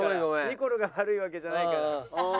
ニコルが悪いわけじゃないから。